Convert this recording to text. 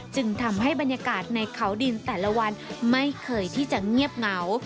จึงทำให้บรรยากาศในเขาดินแต่ละวันไม่เคยที่จะเงียบเหงา